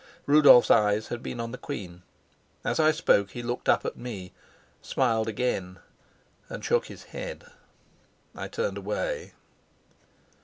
Rudolf's eyes had been on the queen. As I spoke he looked up at me, smiled again, and shook his head. I turned away.